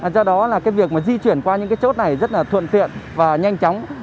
do đó việc di chuyển qua những chốt này rất thuận tiện và nhanh chóng